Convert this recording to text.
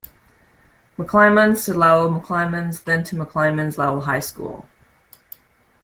McClymonds to Lowell McClymonds, then to McClymonds Lowell High School.